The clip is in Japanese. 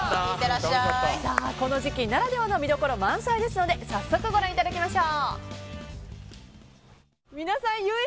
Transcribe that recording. この時期ならではの見どころ満載ですので早速ご覧いただきましょう。